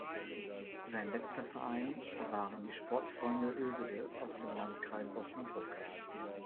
Sein letzter Verein waren die Sportfreunde Oesede aus dem Landkreis Osnabrück.